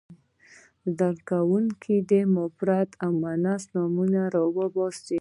زده کوونکي دې مفرد او مؤنث نومونه را وباسي.